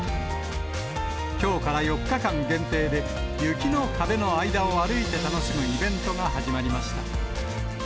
きょうから４日間限定で、雪の壁の間を歩いて楽しむイベントが始まりました。